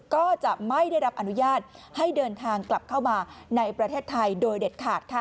ก็จะไม่ได้รับอนุญาตให้เดินทางกลับเข้ามาในประเทศไทยโดยเด็ดขาดค่ะ